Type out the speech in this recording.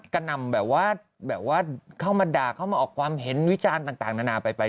หนำแบบว่าแบบว่าเข้ามาด่าเข้ามาออกความเห็นวิจารณ์ต่างนานาไป